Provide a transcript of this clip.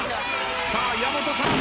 さあ矢本さん。